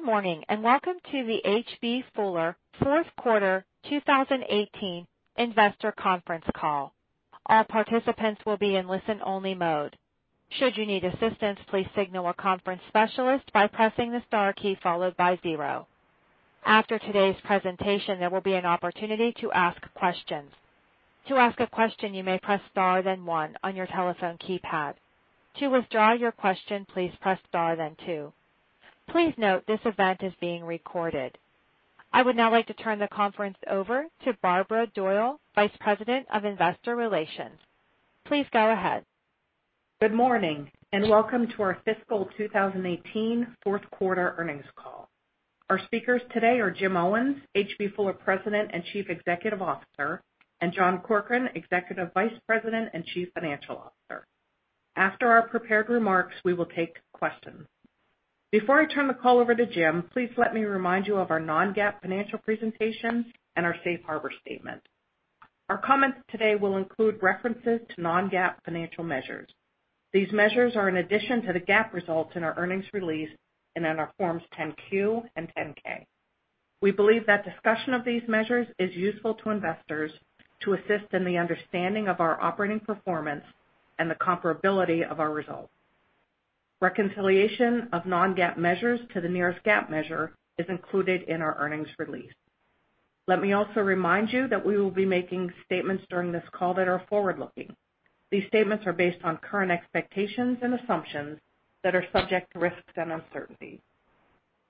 Good morning, welcome to the H.B. Fuller fourth quarter 2018 investor conference call. All participants will be in listen-only mode. Should you need assistance, please signal a conference specialist by pressing the star key followed by zero. After today's presentation, there will be an opportunity to ask questions. To ask a question, you may press star then one on your telephone keypad. To withdraw your question, please press star then two. Please note this event is being recorded. I would now like to turn the conference over to Barbara Doyle, Vice President of Investor Relations. Please go ahead. Good morning, welcome to our fiscal 2018 fourth quarter earnings call. Our speakers today are Jim Owens, H.B. Fuller President and Chief Executive Officer, and John Corkrean, Executive Vice President and Chief Financial Officer. After our prepared remarks, we will take questions. Before I turn the call over to Jim, please let me remind you of our non-GAAP financial presentations and our safe harbor statement. Our comments today will include references to non-GAAP financial measures. These measures are in addition to the GAAP results in our earnings release and in our Forms 10-Q and 10-K. We believe that discussion of these measures is useful to investors to assist in the understanding of our operating performance and the comparability of our results. Reconciliation of non-GAAP measures to the nearest GAAP measure is included in our earnings release. Let me also remind you that we will be making statements during this call that are forward-looking. These statements are based on current expectations and assumptions that are subject to risks and uncertainties.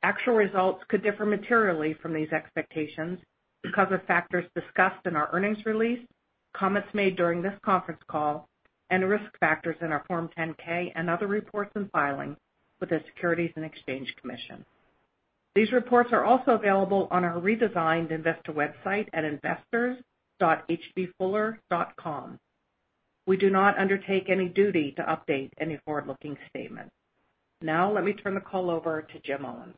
Actual results could differ materially from these expectations because of factors discussed in our earnings release, comments made during this conference call, and risk factors in our Form 10-K and other reports and filings with the Securities and Exchange Commission. These reports are also available on our redesigned investor website at investors.hbfuller.com. We do not undertake any duty to update any forward-looking statements. Let me turn the call over to Jim Owens.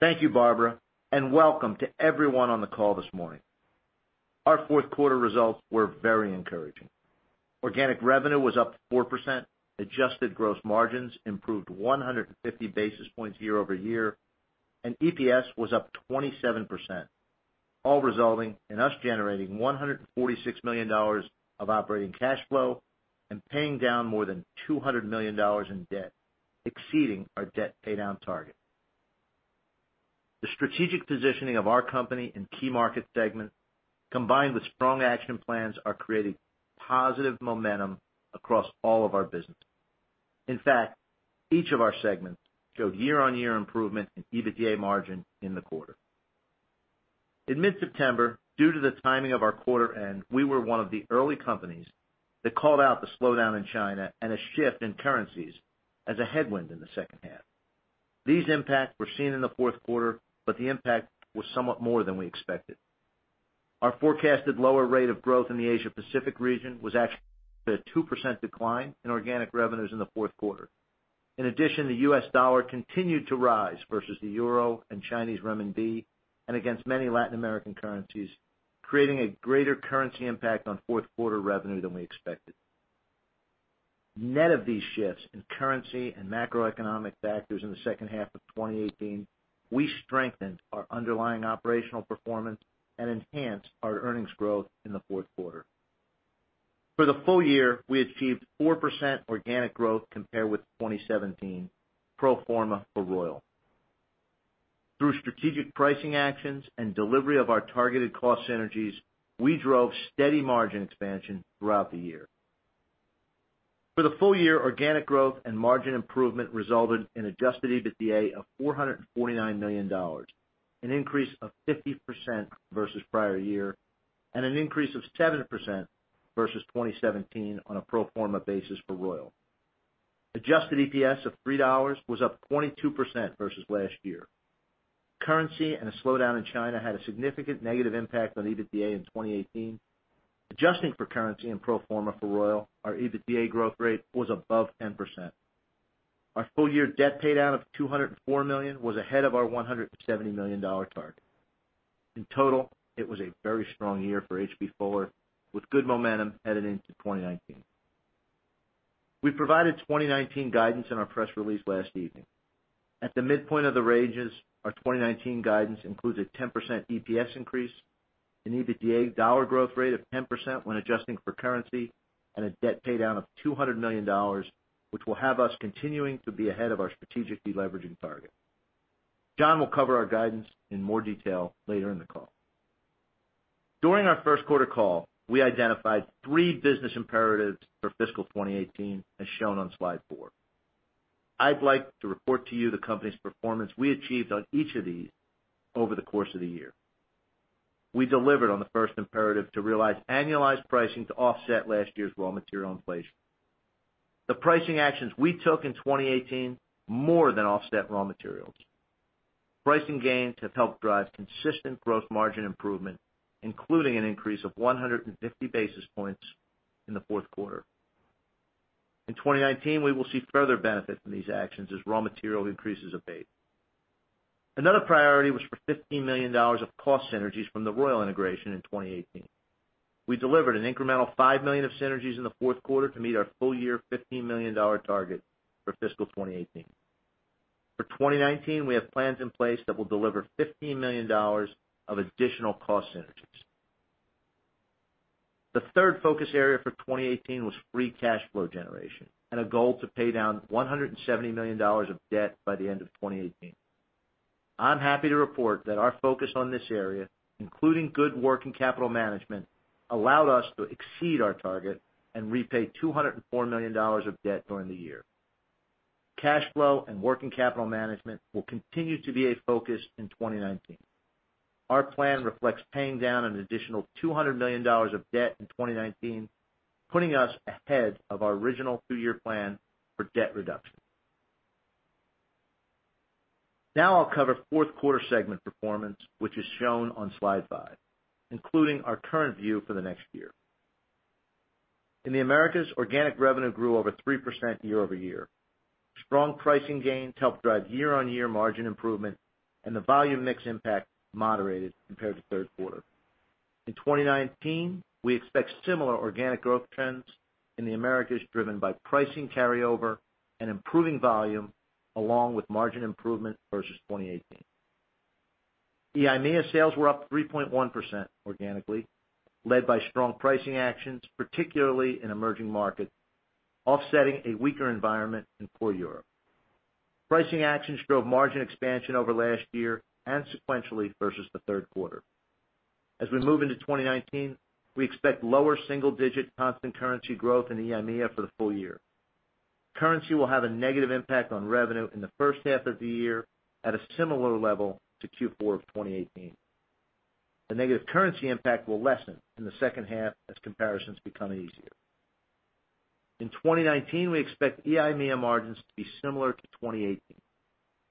Thank you, Barbara, welcome to everyone on the call this morning. Our fourth quarter results were very encouraging. Organic revenue was up 4%, adjusted gross margins improved 150 basis points year-over-year, and EPS was up 27%, all resulting in us generating $146 million of operating cash flow and paying down more than $200 million in debt, exceeding our debt paydown target. The strategic positioning of our company in key market segments, combined with strong action plans, are creating positive momentum across all of our businesses. In fact, each of our segments showed year-on-year improvement in EBITDA margin in the quarter. In mid-September, due to the timing of our quarter end, we were one of the early companies that called out the slowdown in China and a shift in currencies as a headwind in the second half. These impacts were seen in the fourth quarter, but the impact was somewhat more than we expected. Our forecasted lower rate of growth in the Asia Pacific region was actually a 2% decline in organic revenues in the fourth quarter. In addition, the US dollar continued to rise versus the euro and Chinese renminbi and against many Latin American currencies, creating a greater currency impact on fourth quarter revenue than we expected. Net of these shifts in currency and macroeconomic factors in the second half of 2018, we strengthened our underlying operational performance and enhanced our earnings growth in the fourth quarter. For the full year, we achieved 4% organic growth compared with 2017, pro forma for Royal. Through strategic pricing actions and delivery of our targeted cost synergies, we drove steady margin expansion throughout the year. For the full year, organic growth and margin improvement resulted in adjusted EBITDA of $449 million, an increase of 50% versus prior year and an increase of 7% versus 2017 on a pro forma basis for Royal. Adjusted EPS of $3 was up 22% versus last year. Currency and a slowdown in China had a significant negative impact on EBITDA in 2018. Adjusting for currency and pro forma for Royal, our EBITDA growth rate was above 10%. Our full-year debt paydown of $204 million was ahead of our $170 million target. In total, it was a very strong year for H.B. Fuller, with good momentum headed into 2019. We provided 2019 guidance in our press release last evening. At the midpoint of the ranges, our 2019 guidance includes a 10% EPS increase, an EBITDA dollar growth rate of 10% when adjusting for currency, and a debt paydown of $200 million, which will have us continuing to be ahead of our strategic deleveraging target. John will cover our guidance in more detail later in the call. During our first quarter call, we identified three business imperatives for fiscal 2018, as shown on slide four. I'd like to report to you the company's performance we achieved on each of these over the course of the year. We delivered on the first imperative to realize annualized pricing to offset last year's raw material inflation. The pricing actions we took in 2018 more than offset raw materials. Pricing gains have helped drive consistent gross margin improvement, including an increase of 150 basis points in the fourth quarter. In 2019, we will see further benefit from these actions as raw material increases abate. Another priority was for $15 million of cost synergies from the Royal integration in 2018. We delivered an incremental $5 million of synergies in the fourth quarter to meet our full year $15 million target for fiscal 2018. For 2019, we have plans in place that will deliver $15 million of additional cost synergies. The third focus area for 2018 was free cash flow generation and a goal to pay down $170 million of debt by the end of 2018. I'm happy to report that our focus on this area, including good work in capital management, allowed us to exceed our target and repay $204 million of debt during the year. Cash flow and working capital management will continue to be a focus in 2019. Our plan reflects paying down an additional $200 million of debt in 2019, putting us ahead of our original two-year plan for debt reduction. Now I'll cover fourth quarter segment performance, which is shown on slide five, including our current view for the next year. In the Americas, organic revenue grew over 3% year-over-year. Strong pricing gains helped drive year-over-year margin improvement and the volume mix impact moderated compared to the third quarter. In 2019, we expect similar organic growth trends in the Americas, driven by pricing carryover and improving volume along with margin improvement versus 2018. EIMEA sales were up 3.1% organically, led by strong pricing actions, particularly in emerging markets, offsetting a weaker environment in core Europe. Pricing actions drove margin expansion over last year and sequentially versus the third quarter. We move into 2019, we expect lower single-digit constant currency growth in EIMEA for the full year. Currency will have a negative impact on revenue in the first half of the year at a similar level to Q4 of 2018. The negative currency impact will lessen in the second half as comparisons become easier. In 2019, we expect EIMEA margins to be similar to 2018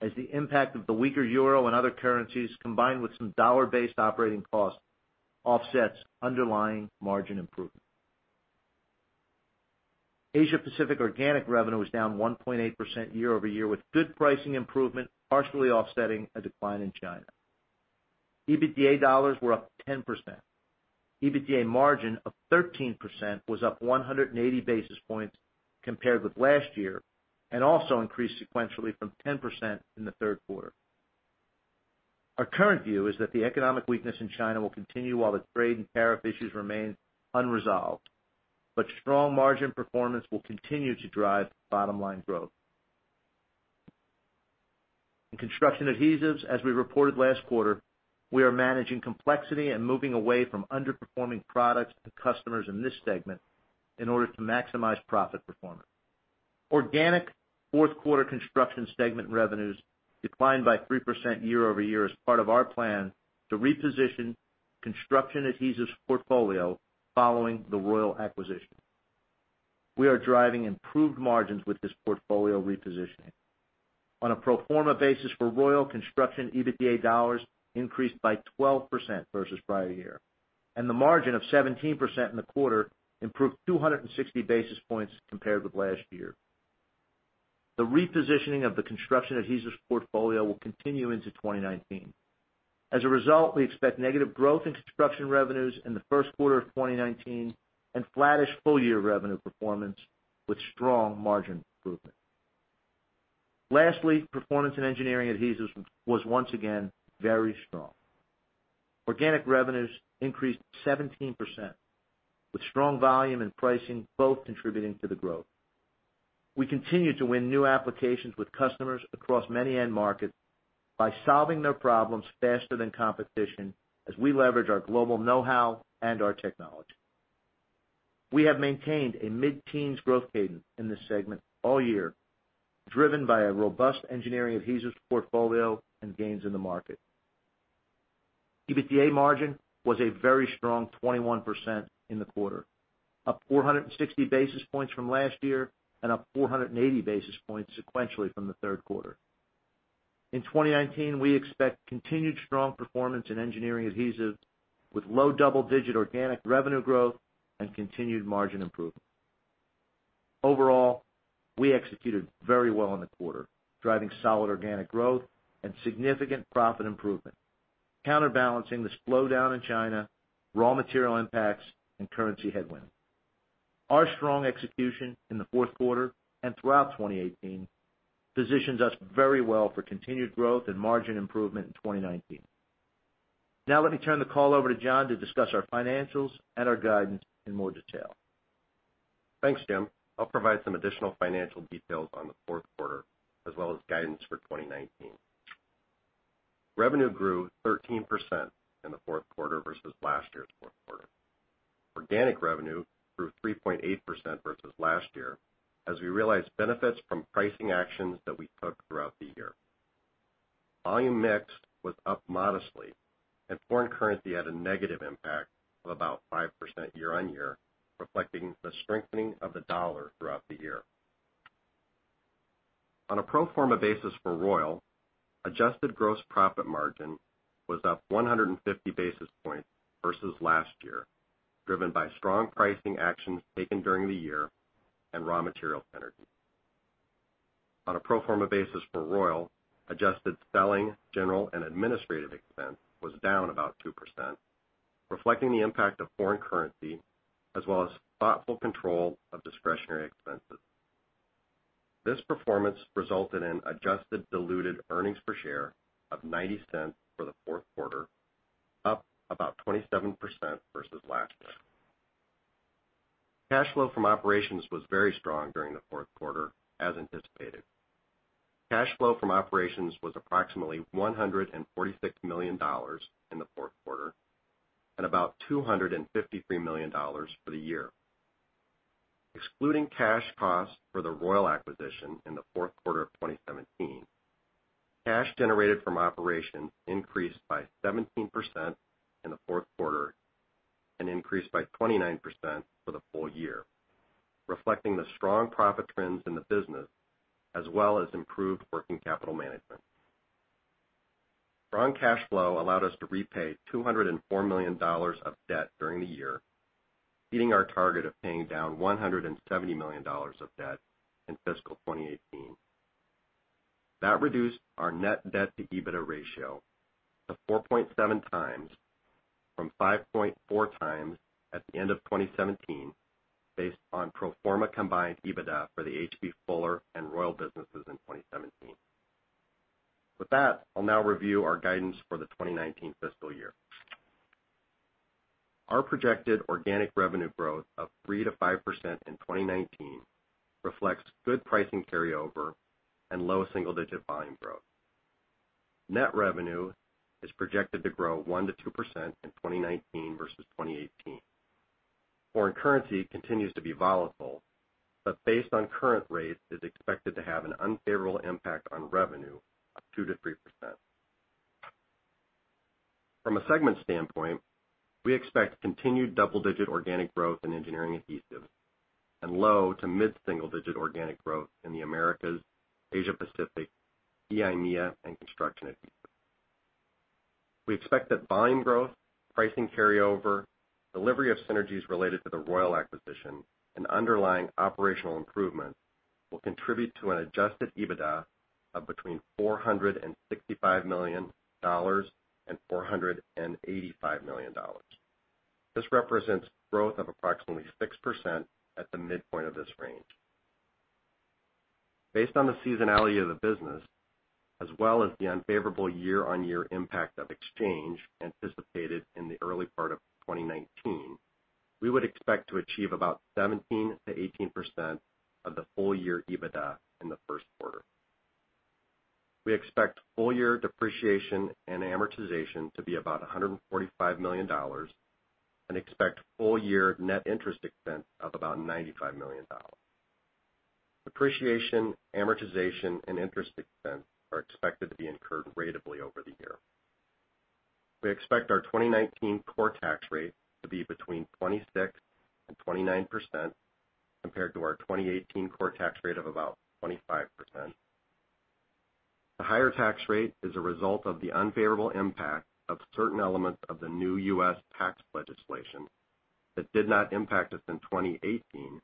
as the impact of the weaker EUR and other currencies, combined with some dollar-based operating costs, offsets underlying margin improvement. Asia Pacific organic revenue was down 1.8% year-over-year with good pricing improvement partially offsetting a decline in China. EBITDA dollars were up 10%. EBITDA margin of 13% was up 180 basis points compared with last year and also increased sequentially from 10% in the third quarter. Our current view is that the economic weakness in China will continue while the trade and tariff issues remain unresolved. Strong margin performance will continue to drive bottom-line growth. In Construction Adhesives, as we reported last quarter, we are managing complexity and moving away from underperforming products to customers in this segment in order to maximize profit performance. Organic fourth quarter construction segment revenues declined by 3% year-over-year as part of our plan to reposition Construction Adhesives portfolio following the Royal acquisition. We are driving improved margins with this portfolio repositioning. On a pro forma basis for Royal, construction EBITDA dollars increased by 12% versus prior year, and the margin of 17% in the quarter improved 260 basis points compared with last year. The repositioning of the Construction Adhesives portfolio will continue into 2019. As a result, we expect negative growth in construction revenues in the first quarter of 2019 and flattish full-year revenue performance with strong margin improvement. Lastly, performance in Engineering Adhesives was once again very strong. Organic revenues increased 17%, with strong volume and pricing both contributing to the growth. We continue to win new applications with customers across many end markets by solving their problems faster than competition as we leverage our global know-how and our technology. We have maintained a mid-teens growth cadence in this segment all year, driven by a robust Engineering Adhesives portfolio and gains in the market. EBITDA margin was a very strong 21% in the quarter, up 460 basis points from last year and up 480 basis points sequentially from the third quarter. In 2019, we expect continued strong performance in Engineering Adhesives with low double-digit organic revenue growth and continued margin improvement. Overall, we executed very well in the quarter, driving solid organic growth and significant profit improvement, counterbalancing the slowdown in China, raw material impacts, and currency headwinds. Our strong execution in the fourth quarter and throughout 2018 positions us very well for continued growth and margin improvement in 2019. Let me turn the call over to John to discuss our financials and our guidance in more detail. Thanks, Jim. I'll provide some additional financial details on the fourth quarter, as well as guidance for 2019. Revenue grew 13% in the fourth quarter versus last year's fourth quarter. Organic revenue grew 3.8% versus last year, as we realized benefits from pricing actions that we took throughout the year. Volume mix was up modestly, and foreign currency had a negative impact of about 5% year-on-year, reflecting the strengthening of the US dollar throughout the year. On a pro forma basis for Royal, adjusted gross profit margin was up 150 basis points versus last year, driven by strong pricing actions taken during the year and raw material synergies. On a pro forma basis for Royal, adjusted selling, general and administrative expense was down about 2%, reflecting the impact of foreign currency, as well as thoughtful control of discretionary expenses. This performance resulted in adjusted diluted earnings per share of $0.90 for the fourth quarter, up about 27% versus last year. Cash flow from operations was very strong during the fourth quarter, as anticipated. Cash flow from operations was approximately $146 million in the fourth quarter and about $253 million for the year. Excluding cash costs for the Royal acquisition in the fourth quarter of 2017, cash generated from operations increased by 17% in the fourth quarter and increased by 29% for the full year, reflecting the strong profit trends in the business, as well as improved working capital management. Strong cash flow allowed us to repay $204 million of debt during the year, beating our target of paying down $170 million of debt in fiscal 2018. That reduced our net debt to EBITDA ratio to 4.7x from 5.4x at the end of 2017, based on pro forma combined EBITDA for the H.B. Fuller and Royal businesses in 2017. I'll now review our guidance for the 2019 fiscal year. Our projected organic revenue growth of 3%-5% in 2019 reflects good pricing carryover and low single-digit volume growth. Net revenue is projected to grow 1%-2% in 2019 versus 2018. Foreign currency continues to be volatile, but based on current rates, is expected to have an unfavorable impact on revenue of 2%-3%. From a segment standpoint, we expect continued double-digit organic growth in Engineering Adhesives and low to mid-single digit organic growth in the Americas, Asia Pacific, EIMEA, and [Consumable] Adhesives. We expect that volume growth, pricing carryover, delivery of synergies related to the Royal acquisition, and underlying operational improvements will contribute to an adjusted EBITDA of between $465 million and $485 million. This represents growth of approximately 6% at the midpoint of this range. Based on the seasonality of the business, as well as the unfavorable year-on-year impact of exchange anticipated in the early part of 2019, we would expect to achieve about 17%-18% of the full year EBITDA in the first quarter. We expect full year depreciation and amortization to be about $145 million and expect full year net interest expense of about $95 million. Depreciation, amortization, and interest expense are expected to be incurred ratably over the year. We expect our 2019 core tax rate to be between 26% and 29%, compared to our 2018 core tax rate of about 25%. The higher tax rate is a result of the unfavorable impact of certain elements of the new U.S. tax legislation that did not impact us in 2018,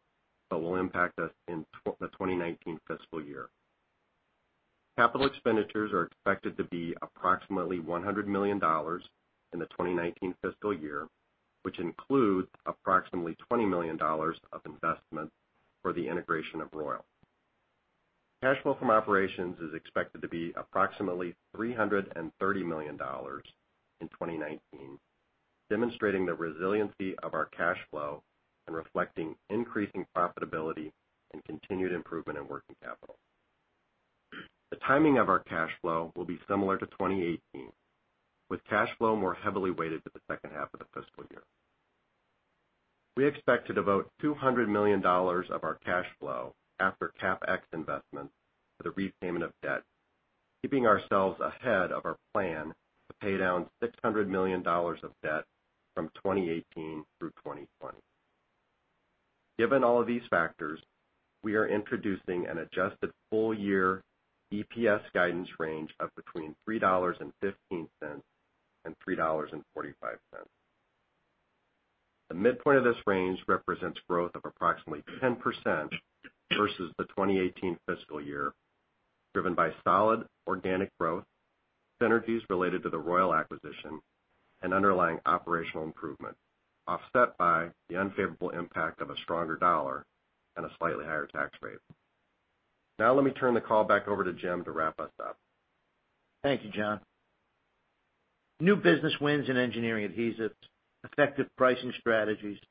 but will impact us in the 2019 fiscal year. Capital expenditures are expected to be approximately $100 million in the 2019 fiscal year, which includes approximately $20 million of investment for the integration of Royal. Cash flow from operations is expected to be approximately $330 million in 2019, demonstrating the resiliency of our cash flow and reflecting increasing profitability and continued improvement in working capital. The timing of our cash flow will be similar to 2018, with cash flow more heavily weighted to the second half of the fiscal year. We expect to devote $200 million of our cash flow after CapEx investments for the repayment of debt, keeping ourselves ahead of our plan to pay down $600 million of debt from 2018 through 2020. Given all of these factors, we are introducing an adjusted full year EPS guidance range of between $3.15 and $3.45. The midpoint of this range represents growth of approximately 10% versus the 2018 fiscal year, driven by solid organic growth, synergies related to the Royal acquisition, and underlying operational improvement, offset by the unfavorable impact of a stronger dollar and a slightly higher tax rate. Let me turn the call back over to Jim to wrap us up. Thank you, John. New business wins in Engineering Adhesives, effective pricing strategies, and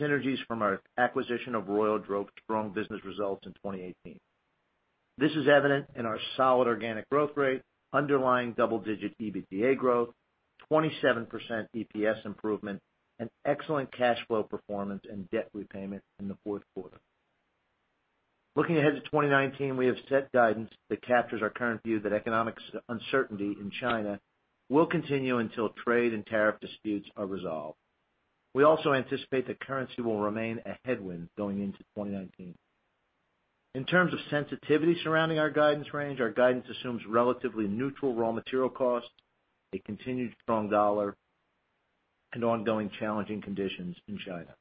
synergies from our acquisition of Royal drove strong business results in 2018. This is evident in our solid organic growth rate, underlying double-digit EBITDA growth, 27% EPS improvement, and excellent cash flow performance and debt repayment in the fourth quarter. Looking ahead to 2019, we have set guidance that captures our current view that economics uncertainty in China will continue until trade and tariff disputes are resolved. We also anticipate that currency will remain a headwind going into 2019. In terms of sensitivity surrounding our guidance range, our guidance assumes relatively neutral raw material costs, a continued strong dollar and ongoing challenging conditions in China.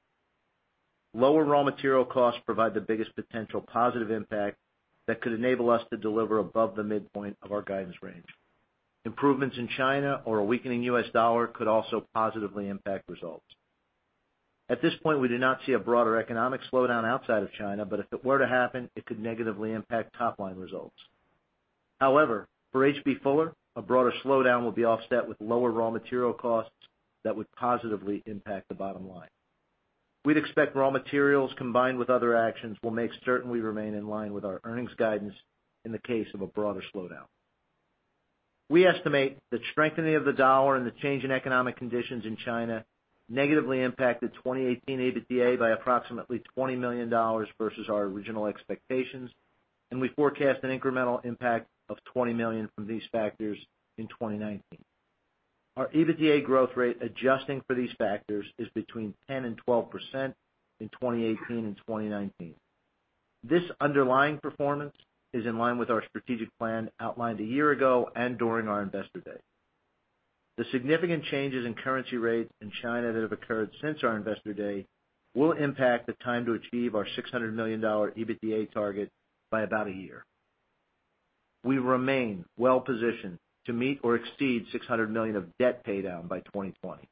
Lower raw material costs provide the biggest potential positive impact that could enable us to deliver above the midpoint of our guidance range. Improvements in China or a weakening US dollar could also positively impact results. At this point, we do not see a broader economic slowdown outside of China, but if it were to happen, it could negatively impact top-line results. However, for H.B. Fuller, a broader slowdown will be offset with lower raw material costs that would positively impact the bottom line. We'd expect raw materials combined with other actions will make certain we remain in line with our earnings guidance in the case of a broader slowdown. We estimate the strengthening of the dollar and the change in economic conditions in China negatively impacted 2018 EBITDA by approximately $20 million versus our original expectations, and we forecast an incremental impact of $20 million from these factors in 2019. Our EBITDA growth rate adjusting for these factors is between 10% and 12% in 2018 and 2019. This underlying performance is in line with our strategic plan outlined a year ago and during our investor day. The significant changes in currency rates in China that have occurred since our investor day will impact the time to achieve our $600 million EBITDA target by about a year. We remain well-positioned to meet or exceed $600 million of debt paydown by 2020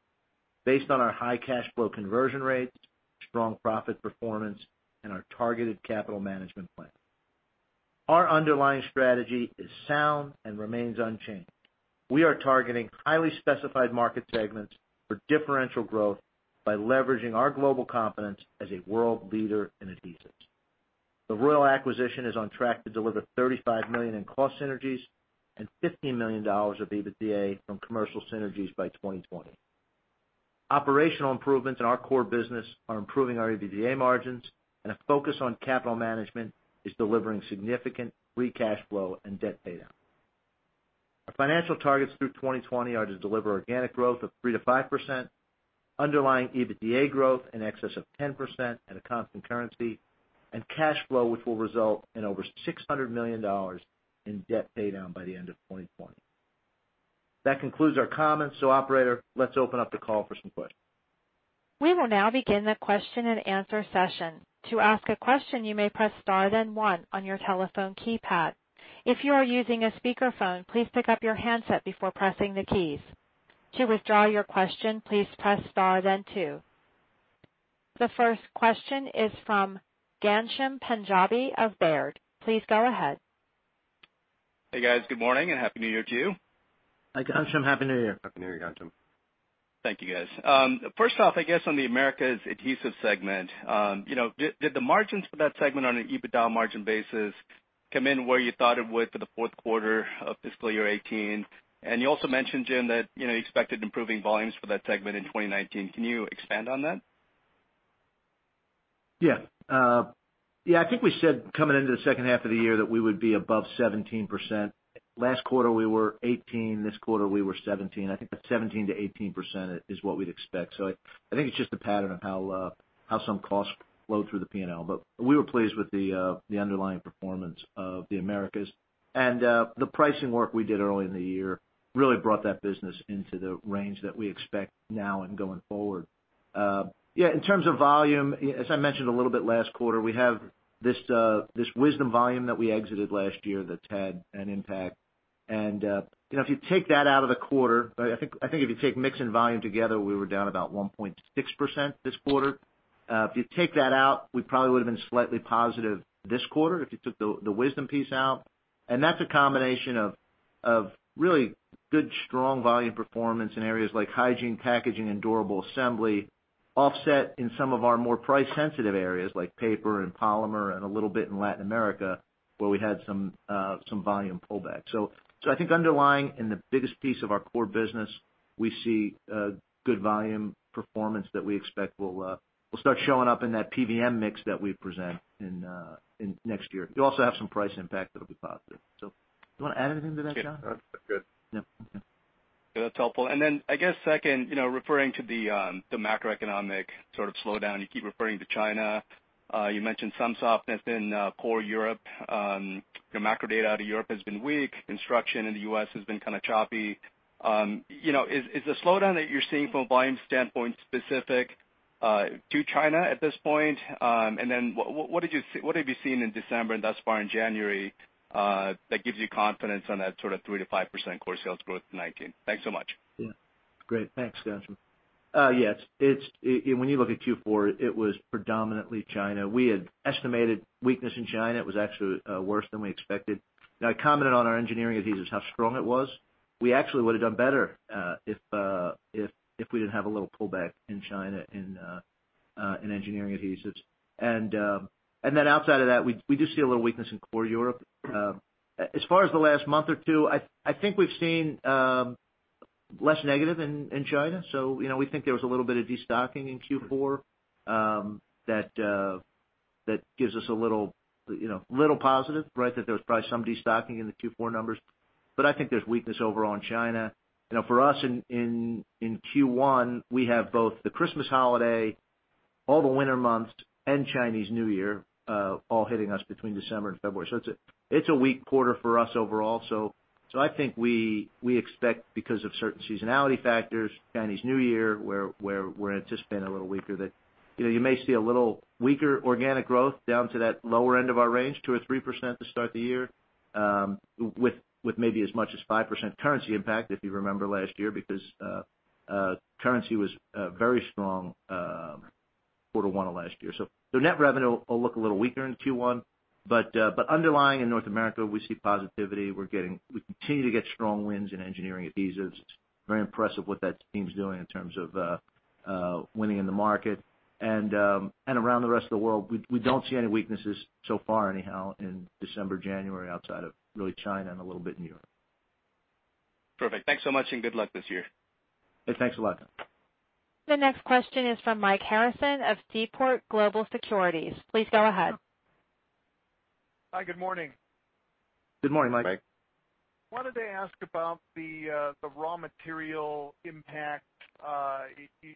based on our high cash flow conversion rates, strong profit performance, and our targeted capital management plan. Our underlying strategy is sound and remains unchanged. We are targeting highly specified market segments for differential growth by leveraging our global competence as a world leader in adhesives. The Royal acquisition is on track to deliver $35 million in cost synergies and $15 million of EBITDA from commercial synergies by 2020. Operational improvements in our core business are improving our EBITDA margins, and a focus on capital management is delivering significant free cash flow and debt paydown. Our financial targets through 2020 are to deliver organic growth of 3%-5%, underlying EBITDA growth in excess of 10% at a constant currency, and cash flow, which will result in over $600 million in debt paydown by the end of 2020. That concludes our comments. Operator, let's open up the call for some questions. We will now begin the question and answer session. To ask a question, you may press star then one on your telephone keypad. If you are using a speakerphone, please pick up your handset before pressing the keys. To withdraw your question, please press star then two. The first question is from Ghansham Panjabi of Baird. Please go ahead. Hey, guys. Good morning and happy New Year to you. Hi, Ghansham. Happy New Year. Happy New Year, Ghansham. Thank you, guys. First off, I guess on the Americas adhesive segment. Did the margins for that segment on an EBITDA margin basis come in where you thought it would for the fourth quarter of fiscal year 2018? You also mentioned, Jim, that you expected improving volumes for that segment in 2019. Can you expand on that? Yeah. I think we said coming into the second half of the year that we would be above 17%. Last quarter, we were 18%, this quarter we were 17%. I think that 17%-18% is what we'd expect. I think it's just a pattern of how some costs flow through the P&L. We were pleased with the underlying performance of the Americas. The pricing work we did early in the year really brought that business into the range that we expect now and going forward. Yeah, in terms of volume, as I mentioned a little bit last quarter, we have this Wisdom volume that we exited last year that's had an impact. If you take that out of the quarter, I think if you take mix and volume together, we were down about 1.6% this quarter. If you take that out, we probably would've been slightly positive this quarter, if you took the Wisdom piece out. That's a combination of really good, strong volume performance in areas like hygiene, packaging, and durable assembly, offset in some of our more price sensitive areas like paper and polymer and a little bit in Latin America, where we had some volume pullback. I think underlying in the biggest piece of our core business, we see good volume performance that we expect will start showing up in that PVM mix that we present in next year. You also have some price impact that'll be positive. Do you want to add anything to that, John? No, that's good. Yeah. Okay. That's helpful. I guess second, referring to the macroeconomic sort of slowdown. You keep referring to China. You mentioned some softness in core Europe. Macro data out of Europe has been weak. Construction in the U.S. has been kind of choppy. Is the slowdown that you're seeing from a volume standpoint specific to China at this point? What have you seen in December and thus far in January that gives you confidence on that sort of 3%-5% core sales growth in 2019? Thanks so much. Yeah. Great. Thanks, Ghansham. Yes. When you look at Q4, it was predominantly China. We had estimated weakness in China. It was actually worse than we expected. I commented on our Engineering Adhesives, how strong it was. We actually would've done better, if we didn't have a little pullback in China in Engineering Adhesives. Outside of that, we do see a little weakness in core Europe. As far as the last month or two, I think we've seen less negative in China. We think there was a little bit of de-stocking in Q4. That gives us a little positive, right? That there was probably some de-stocking in the Q4 numbers. I think there's weakness overall in China. For us in Q1, we have both the Christmas holiday, all the winter months and Chinese New Year, all hitting us between December and February. It's a weak quarter for us overall. I think we expect because of certain seasonality factors, Chinese New Year, where it's just been a little weaker, that you may see a little weaker organic growth down to that lower end of our range, 2% or 3% to start the year, with maybe as much as 5% currency impact if you remember last year, because currency was very strong quarter one of last year. Net revenue will look a little weaker in Q1. Underlying in North America, we see positivity. We continue to get strong wins in Engineering Adhesives. It's very impressive what that team's doing in terms of winning in the market. Around the rest of the world, we don't see any weaknesses so far anyhow, in December, January, outside of really China and a little bit in Europe. Perfect. Thanks so much, and good luck this year. Thanks a lot. The next question is from Mike Harrison of Seaport Global Securities. Please go ahead. Hi, good morning. Good morning, Mike. Wanted to ask about the raw material impact.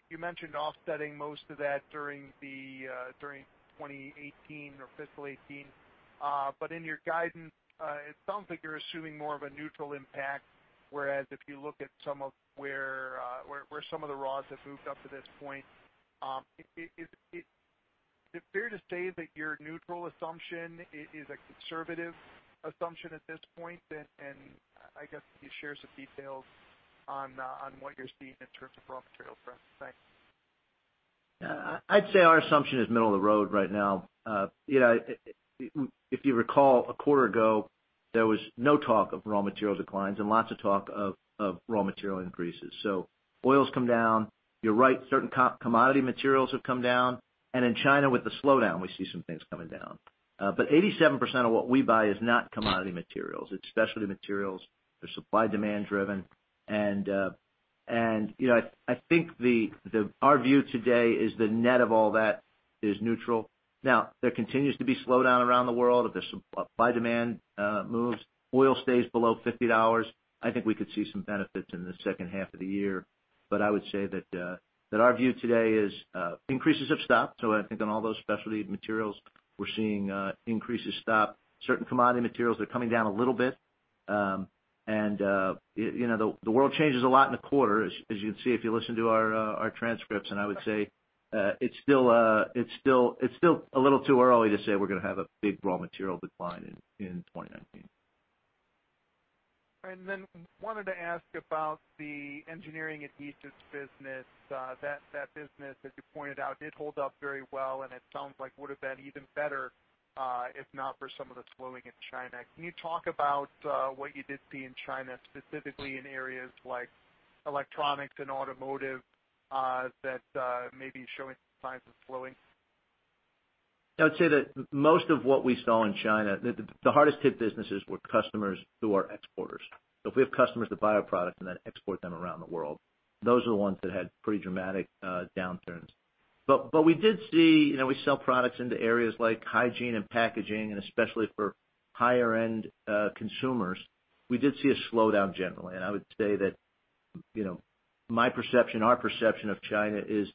You mentioned offsetting most of that during 2018 or fiscal 2018. In your guidance, it sounds like you're assuming more of a neutral impact, whereas if you look at where some of the raws have moved up to this point. Is it fair to say that your neutral assumption is a conservative assumption at this point? I guess could you share some details on what you're seeing in terms of raw material trends? Thanks. I'd say our assumption is middle of the road right now. If you recall, a quarter ago, there was no talk of raw material declines and lots of talk of raw material increases. Oil's come down. You're right, certain commodity materials have come down. In China with the slowdown, we see some things coming down. 87% of what we buy is not commodity materials. It's specialty materials. They're supply and demand driven. I think our view today is the net of all that is neutral. There continues to be slowdown around the world. If the supply demand moves, oil stays below $50, I think we could see some benefits in the second half of the year. I would say that our view today is increases have stopped. I think on all those specialty materials, we're seeing increases stop. Certain commodity materials are coming down a little bit. The world changes a lot in a quarter, as you'd see if you listen to our transcripts. I would say it's still a little too early to say we're going to have a big raw material decline in 2019. Wanted to ask about the Engineering Adhesives business. That business, as you pointed out, did hold up very well, and it sounds like would've been even better if not for some of the slowing in China. Can you talk about what you did see in China, specifically in areas like electronics and automotive, that may be showing signs of slowing? I would say that most of what we saw in China, the hardest hit businesses were customers who are exporters. If we have customers that buy our product and then export them around the world, those are the ones that had pretty dramatic downturns. We sell products into areas like hygiene and packaging, and especially for higher end consumers, we did see a slowdown generally. I would say that my perception, our perception of China is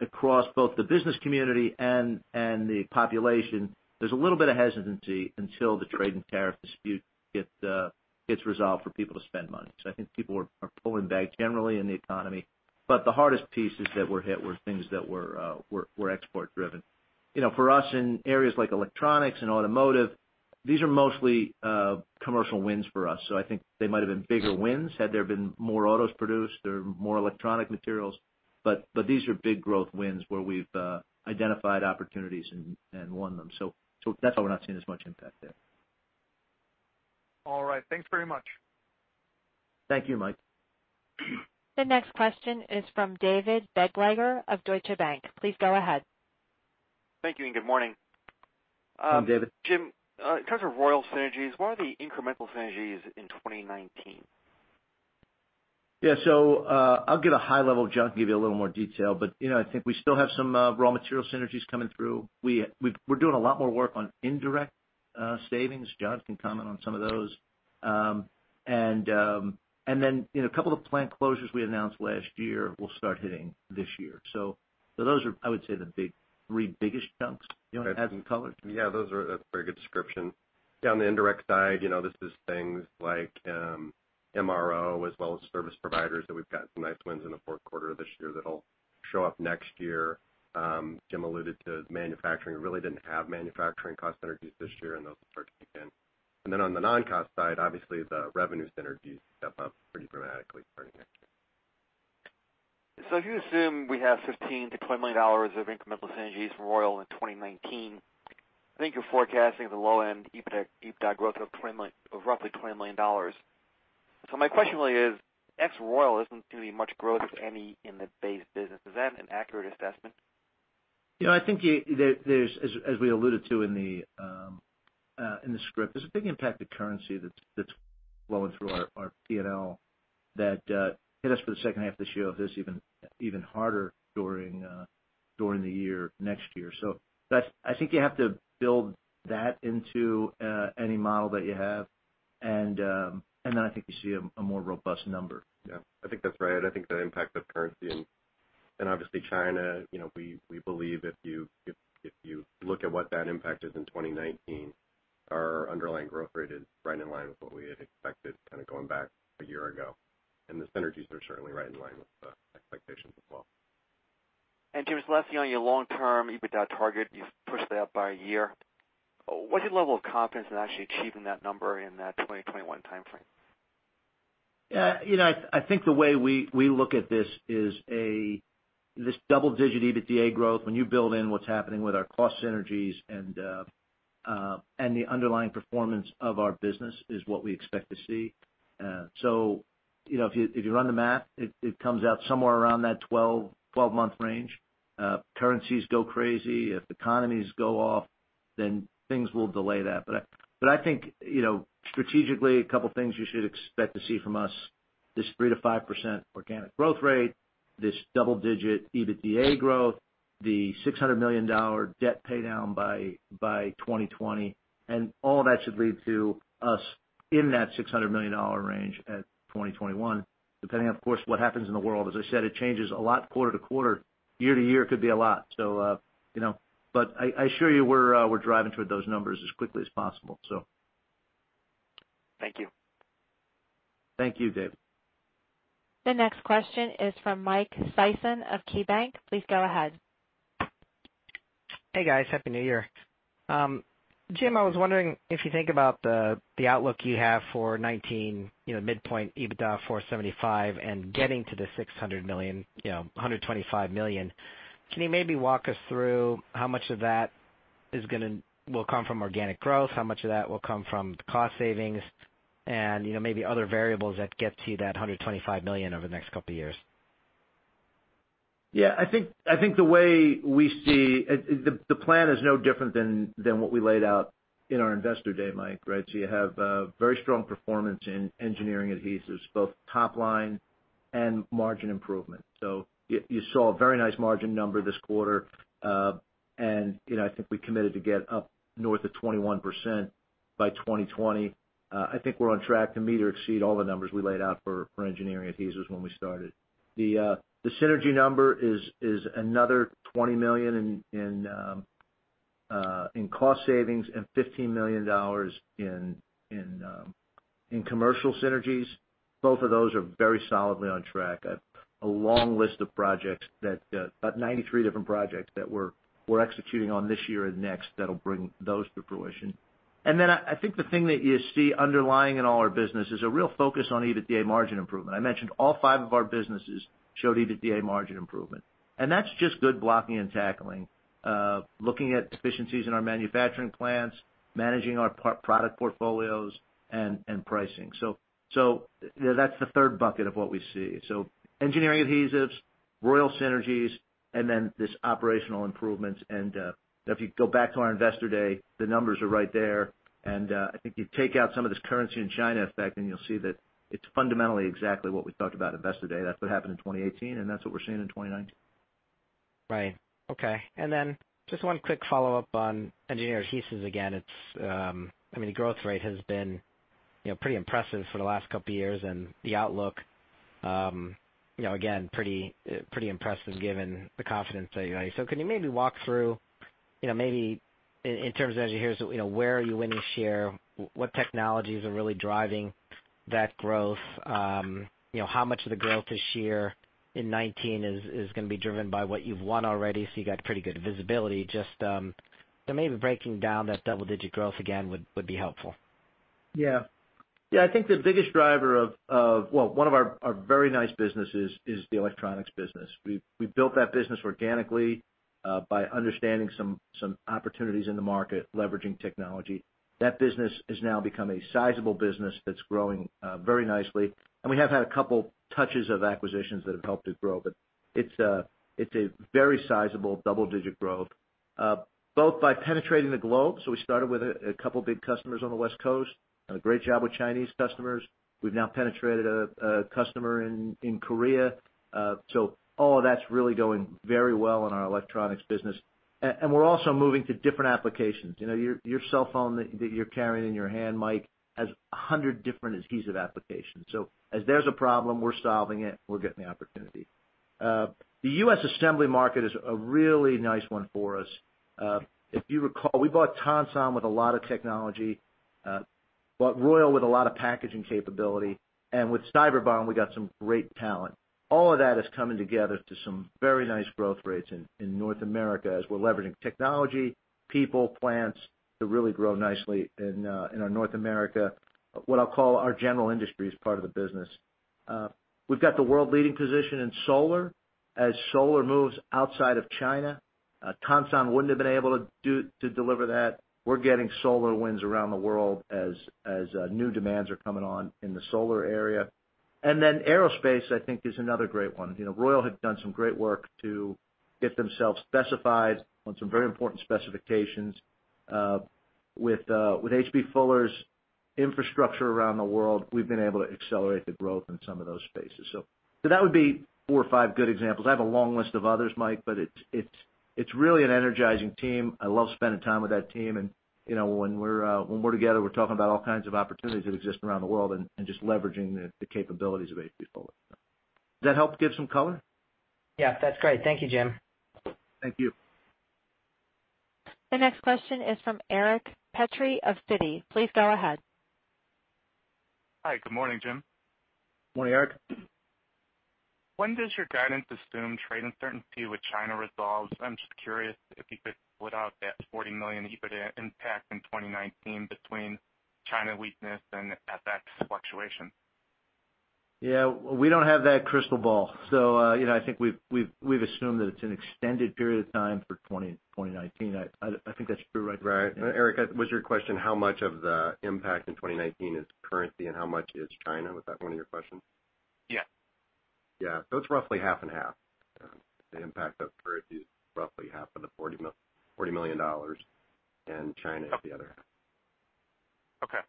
across both the business community and the population. There's a little bit of hesitancy until the trade and tariff dispute gets resolved for people to spend money. I think people are pulling back generally in the economy. The hardest pieces that were hit were things that were export driven. For us in areas like electronics and automotive, these are mostly commercial wins for us. I think they might've been bigger wins had there been more autos produced or more electronic materials. These are big growth wins where we've identified opportunities and won them. That's why we're not seeing as much impact there. All right. Thanks very much. Thank you, Mike. The next question is from David Begleiter of Deutsche Bank. Please go ahead. Thank you, and good morning. Hi, David. Jim, in terms of Royal synergies, what are the incremental synergies in 2019? I'll give a high level, John can give you a little more detail. I think we still have some raw material synergies coming through. We're doing a lot more work on indirect savings. John can comment on some of those. A couple of plant closures we announced last year will start hitting this year. Those are, I would say, the three biggest chunks. You want to add some color? Yeah, that's a very good description. Down the indirect side, this is things like MRO as well as service providers that we've got some nice wins in the fourth quarter of this year that'll show up next year. Jim alluded to manufacturing. Really didn't have manufacturing cost synergies this year, those will start to kick in. On the non-cost side, obviously, the revenue synergies step up pretty dramatically starting next year. If you assume we have $15 million-$20 million of incremental synergies from Royal in 2019, I think you're forecasting at the low end EBITDA growth of roughly $20 million. My question really is, ex Royal, there isn't going to be much growth, if any, in the base business. Is that an accurate assessment? I think as we alluded to in the script, there's a big impact of currency that's flowing through our P&L that hit us for the second half of this year. It hits even harder during the year next year. I think you have to build that into any model that you have. Then I think you see a more robust number. Yeah, I think that's right. I think the impact of currency and obviously China, we believe if you look at what that impact is in 2019, our underlying growth rate is right in line with what we had expected going back a year ago. The synergies are certainly right in line with the expectations as well. Jim, lastly, on your long-term EBITDA target, you've pushed that up by a year. What's your level of confidence in actually achieving that number in that 2021 timeframe? I think the way we look at this is this double-digit EBITDA growth, when you build in what's happening with our cost synergies and the underlying performance of our business is what we expect to see. If you run the math, it comes out somewhere around that 12-month range. If currencies go crazy, if economies go off, then things will delay that. I think strategically, a couple of things you should expect to see from us, this 3%-5% organic growth rate, this double-digit EBITDA growth, the $600 million debt pay down by 2020. All that should lead to us in that $600 million range at 2021, depending, of course, what happens in the world. As I said, it changes a lot quarter-to-quarter. Year-to-year it could be a lot. I assure you we're driving toward those numbers as quickly as possible. Thank you. Thank you, David. The next question is from Mike Sison of KeyBanc. Please go ahead. Hey, guys. Happy New Year. Jim, I was wondering if you think about the outlook you have for 2019, midpoint EBITDA $475 million and getting to the $600 million, $125 million. Can you maybe walk us through how much of that will come from organic growth? How much of that will come from cost savings and maybe other variables that get to that $125 million over the next couple of years? Yeah. I think the plan is no different than what we laid out in our investor day, Mike, right? You have a very strong performance in Engineering Adhesives, both top line and margin improvement. You saw a very nice margin number this quarter. I think we committed to get up north of 21% by 2020. I think we're on track to meet or exceed all the numbers we laid out for Engineering Adhesives when we started. The synergy number is another $20 million in cost savings and $15 million in commercial synergies. Both of those are very solidly on track. I have a long list of projects, about 93 different projects, that we're executing on this year and next that'll bring those to fruition. I think the thing that you see underlying in all our business is a real focus on EBITDA margin improvement. I mentioned all five of our businesses showed EBITDA margin improvement, and that's just good blocking and tackling. Looking at efficiencies in our manufacturing plants, managing our product portfolios and pricing. That's the third bucket of what we see. Engineering Adhesives, Royal synergies, and then these operational improvements. If you go back to our investor day, the numbers are right there. I think you take out some of this currency in China effect, and you'll see that it's fundamentally exactly what we talked about at investor day. That's what happened in 2018, and that's what we're seeing in 2019. Right. Okay. Just one quick follow-up on Engineering Adhesives. Again, the growth rate has been pretty impressive for the last couple of years and the outlook, again, pretty impressive given the confidence that you have. Can you maybe walk through maybe in terms of Engineering Adhesives, where are you winning share? What technologies are really driving that growth? How much of the growth this year in 2019 is going to be driven by what you've won already? You got pretty good visibility. Just maybe breaking down that double digit growth again would be helpful. Yeah. I think the biggest driver of well, one of our very nice businesses is the electronics business. We built that business organically by understanding some opportunities in the market, leveraging technology. That business has now become a sizable business that's growing very nicely, and we have had a couple touches of acquisitions that have helped it grow, but it's a very sizable double-digit growth, both by penetrating the globe. We started with a couple of big customers on the West Coast and a great job with Chinese customers. We've now penetrated a customer in Korea. All of that's really going very well in our electronics business. We're also moving to different applications. Your cellphone that you're carrying in your hand, Mike, has 100 different adhesive applications. As there's a problem, we're solving it, and we're getting the opportunity. The U.S. assembly market is a really nice one for us. If you recall, we bought Tonsan with a lot of technology, bought Royal with a lot of packaging capability, with Cyberbond, we got some great talent. All of that is coming together to some very nice growth rates in North America as we're leveraging technology, people, plants, to really grow nicely in our North America, what I'll call our general industries part of the business. We've got the world leading position in solar as solar moves outside of China. Tonsan wouldn't have been able to deliver that. We're getting solar wins around the world as new demands are coming on in the solar area. Aerospace, I think is another great one. Royal had done some great work to get themselves specified on some very important specifications. With H.B. Fuller's infrastructure around the world, we've been able to accelerate the growth in some of those spaces. That would be four or five good examples. I have a long list of others, Mike, but it's really an energizing team. I love spending time with that team, and when we're together, we're talking about all kinds of opportunities that exist around the world and just leveraging the capabilities of H.B. Fuller. Does that help give some color? Yeah, that's great. Thank you, Jim. Thank you. The next question is from Eric Petrie of Citi. Please go ahead. Hi, good morning, Jim. Morning, Eric. When does your guidance assume trade uncertainty with China resolves? I'm just curious if you could split out that $40 million EBITDA impact in 2019 between China weakness and FX fluctuation. Yeah. We don't have that crystal ball. I think we've assumed that it's an extended period of time for 2019. I think that's true, right? Right. Eric, was your question how much of the impact in 2019 is currency and how much is China? Was that one of your questions? Yeah. Yeah. It's roughly half and half. The impact of currency is roughly half of the $40 million, China is the other half. Okay.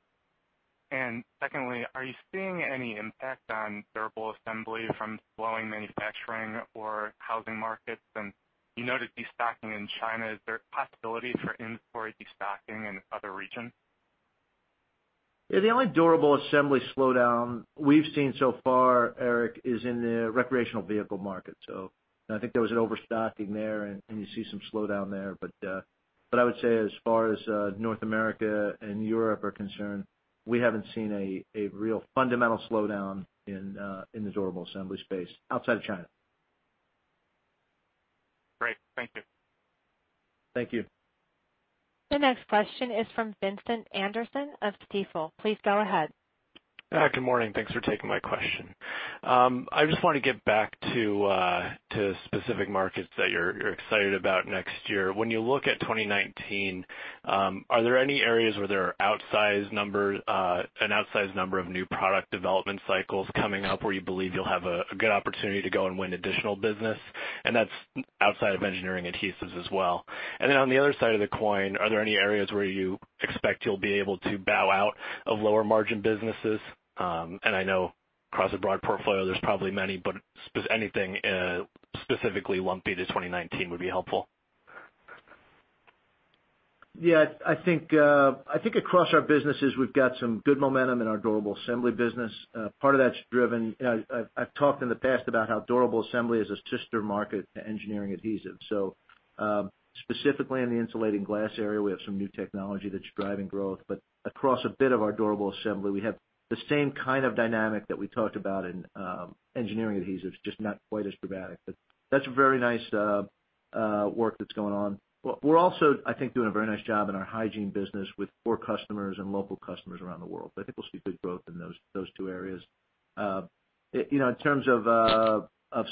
Secondly, are you seeing any impact on durable assembly from slowing manufacturing or housing markets? You noted destocking in China. Is there a possibility for inventory destocking in other regions? Yeah. The only durable assembly slowdown we've seen so far, Eric, is in the recreational vehicle market. I think there was an overstocking there. You see some slowdown there. I would say as far as North America and Europe are concerned, we haven't seen a real fundamental slowdown in the durable assembly space outside of China. Great. Thank you. Thank you. The next question is from Vincent Anderson of Stifel. Please go ahead. Hi, good morning. Thanks for taking my question. I just want to get back to specific markets that you're excited about next year. When you look at 2019, are there any areas where there are an outsized number of new product development cycles coming up where you believe you'll have a good opportunity to go and win additional business? That's outside of Engineering Adhesives as well. On the other side of the coin, are there any areas where you expect you'll be able to bow out of lower margin businesses? I know across a broad portfolio, there's probably many, but anything specifically lumpy to 2019 would be helpful. I think across our businesses, we've got some good momentum in our durable assembly business. I've talked in the past about how durable assembly is a sister market to Engineering Adhesives. Specifically in the insulating glass area, we have some new technology that's driving growth. Across a bit of our durable assembly, we have the same kind of dynamic that we talked about in Engineering Adhesives, just not quite as dramatic. That's very nice work that's going on. We're also, I think, doing a very nice job in our hygiene business with core customers and local customers around the world. I think we'll see good growth in those two areas. In terms of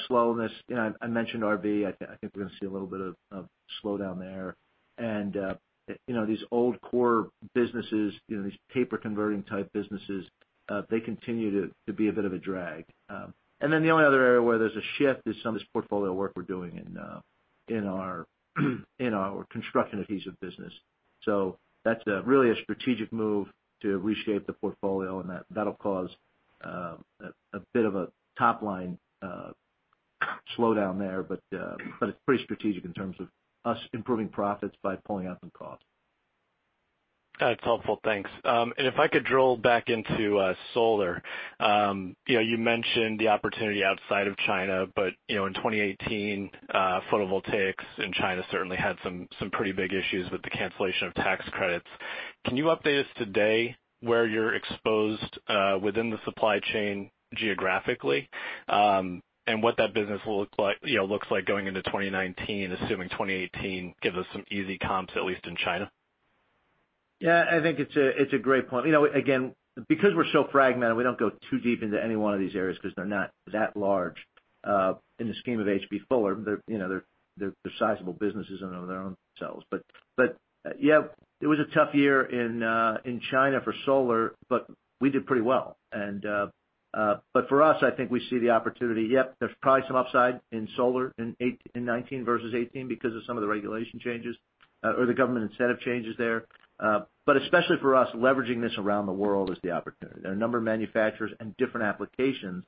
slowness, I mentioned RV. I think we're going to see a little bit of slowdown there. These old core businesses, these paper converting type businesses, they continue to be a bit of a drag. The only other area where there's a shift is some of this portfolio work we're doing in our Construction Adhesives business. That's really a strategic move to reshape the portfolio, and that'll cause a bit of a top-line slowdown there. It's pretty strategic in terms of us improving profits by pulling out some costs. That's helpful. Thanks. If I could drill back into solar. You mentioned the opportunity outside of China, but in 2018, photovoltaics in China certainly had some pretty big issues with the cancellation of tax credits. Can you update us today where you're exposed within the supply chain geographically? What that business will look like going into 2019, assuming 2018 gives us some easy comps, at least in China? I think it's a great point. Again, because we're so fragmented, we don't go too deep into any one of these areas because they're not that large in the scheme of H.B. Fuller. They're sizable businesses in and of their own selves. It was a tough year in China for solar, but we did pretty well. For us, I think we see the opportunity. There's probably some upside in solar in 2019 versus 2018 because of some of the regulation changes or the government incentive changes there. Especially for us, leveraging this around the world is the opportunity. There are a number of manufacturers and different applications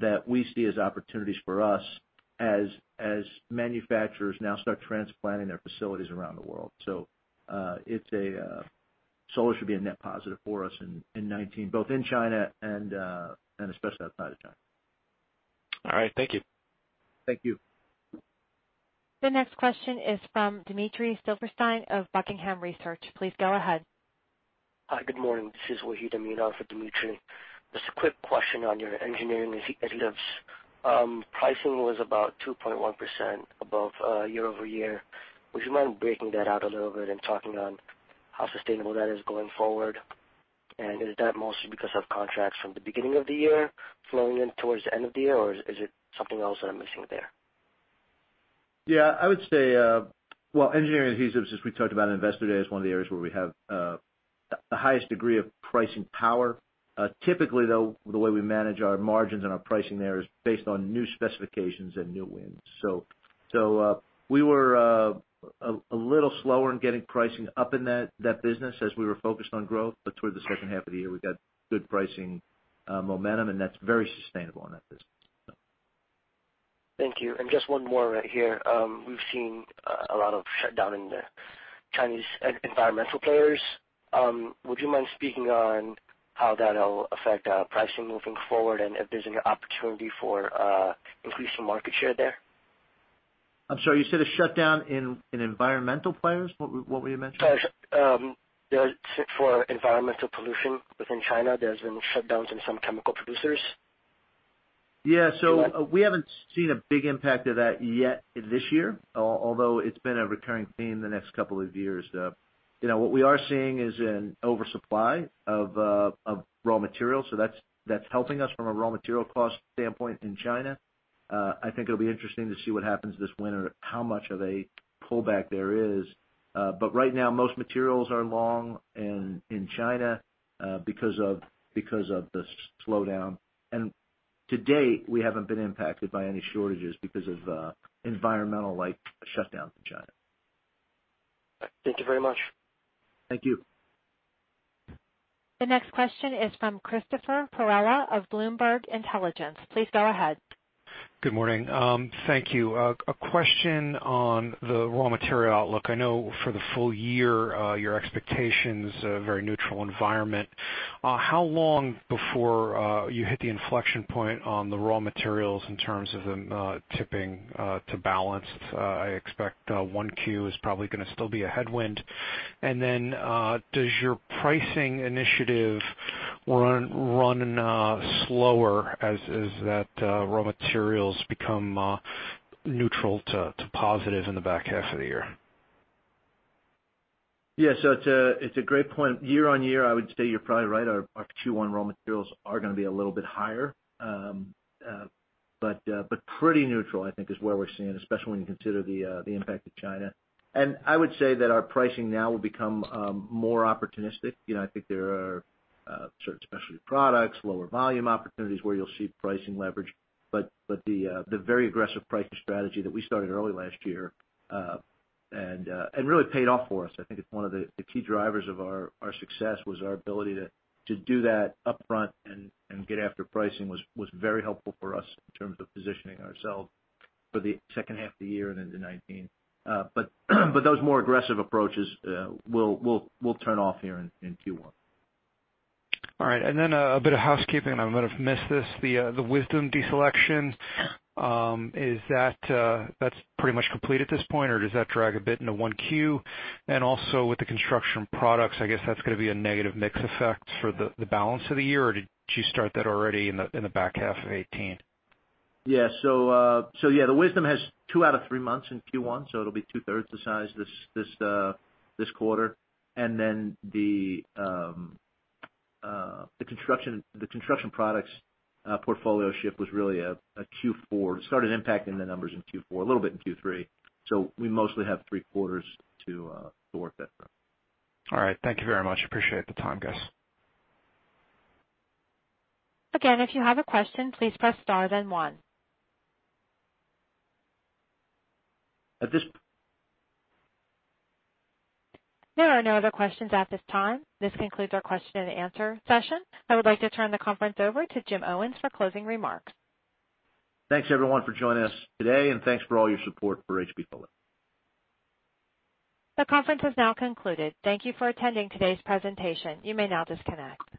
that we see as opportunities for us as manufacturers now start transplanting their facilities around the world. Solar should be a net positive for us in 2019, both in China and especially outside of China. All right. Thank you. Thank you. The next question is from Dmitry Silversteyn of Buckingham Research. Please go ahead. Hi, good morning. This is Wahid Amin for Dmitry. Just a quick question on your Engineering Adhesives. Pricing was about 2.1% above year-over-year. Would you mind breaking that out a little bit and talking on how sustainable that is going forward? Is that mostly because of contracts from the beginning of the year flowing in towards the end of the year, or is it something else that I'm missing there? Yeah, I would say, well, Engineering Adhesives, as we talked about in Investor Day, is one of the areas where we have the highest degree of pricing power. Typically, though, the way we manage our margins and our pricing there is based on new specifications and new wins. We were a little slower in getting pricing up in that business as we were focused on growth. Towards the second half of the year, we got good pricing momentum, and that's very sustainable in that business. Thank you. Just one more right here. We've seen a lot of shutdown in the Chinese environmental players. Would you mind speaking on how that'll affect pricing moving forward and if there's an opportunity for increasing market share there? I'm sorry, you said a shutdown in environmental players? What were you mentioning? Sorry, for environmental pollution within China, there's been shutdowns in some chemical producers. Yeah. We haven't seen a big impact of that yet this year, although it's been a recurring theme the next couple of years. What we are seeing is an oversupply of raw materials, so that's helping us from a raw material cost standpoint in China. I think it'll be interesting to see what happens this winter, how much of a pullback there is. Right now, most materials are long in China because of the slowdown. To date, we haven't been impacted by any shortages because of environmental-like shutdowns in China. Thank you very much. Thank you. The next question is from Christopher Pereira of Bloomberg Intelligence. Please go ahead. Good morning. Thank you. A question on the raw material outlook. I know for the full year, your expectation's a very neutral environment. How long before you hit the inflection point on the raw materials in terms of them tipping to balanced? I expect 1Q is probably going to still be a headwind. Then, does your pricing initiative run slower as that raw materials become neutral to positive in the back half of the year? Yeah, it's a great point. Year-on-year, I would say you're probably right. Our Q1 raw materials are going to be a little bit higher. Pretty neutral, I think, is where we're seeing, especially when you consider the impact of China. I would say that our pricing now will become more opportunistic. I think there are certain specialty products, lower volume opportunities where you'll see pricing leverage. The very aggressive pricing strategy that we started early last year and really paid off for us. I think it's one of the key drivers of our success was our ability to do that upfront and get after pricing was very helpful for us in terms of positioning ourselves for the second half of the year and into 2019. Those more aggressive approaches will turn off here in Q1. All right. A bit of housekeeping. I might have missed this, the Wisdom deselection. That's pretty much complete at this point, or does that drag a bit into 1Q? With the Construction Adhesives, I guess that's going to be a negative mix effect for the balance of the year, or did you start that already in the back half of 2018? Yeah. The Wisdom has two out of three months in Q1, so it'll be two-thirds the size this quarter. The Construction Adhesives portfolio ship was really a Q4. It started impacting the numbers in Q4, a little bit in Q3. We mostly have three quarters to work that through. All right. Thank you very much. Appreciate the time, guys. Again, if you have a question, please press star then one. At this- There are no other questions at this time. This concludes our question and answer session. I would like to turn the conference over to Jim Owens for closing remarks. Thanks everyone for joining us today, and thanks for all your support for H.B. Fuller. The conference has now concluded. Thank you for attending today's presentation. You may now disconnect.